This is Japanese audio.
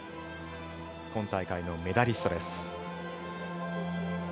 今大会のメダリストです。